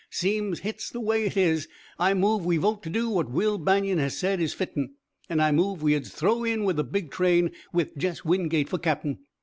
Seein' hit's the way hit is, I move we vote to do what Will Banion has said is fitten. An' I move we uns throw in with the big train, with Jess Wingate for cap'n.